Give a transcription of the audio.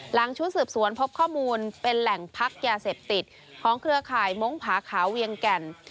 หลังชุดสืบสวนพบข้อมูลเป็นแหล่งพักยาเสพติดของเครือข่ายมงคผาขาวเวียงแก่น